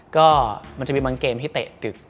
ก็มันจะมีบางเกมที่เตะตึก